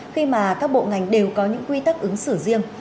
khi mà các bộ ngành đều có những quy tắc ứng xử riêng